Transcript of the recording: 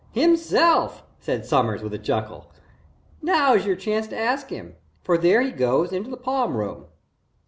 "Himself," said Sommers, with a chuckle. "Now's your chance to ask him for there he goes into the Palm Room."